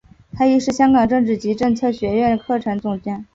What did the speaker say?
他亦是香港政治及政策学苑课程总监。